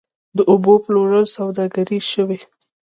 د اوبو پلورل سوداګري شوې؟